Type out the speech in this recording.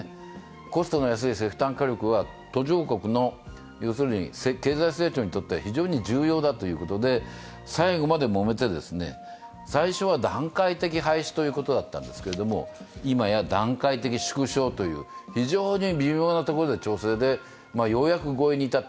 コストが安い石炭火力は途上国の経済成長にとっては非常に重要だということで、最後までもめて、最初は段階的廃止ということだったんですけど、今や段階的縮小という非常に微妙なところの調整でようやく合意に至った。